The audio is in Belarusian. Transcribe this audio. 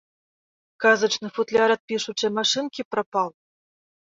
Казачны футляр ад пішучай машынкі прапаў.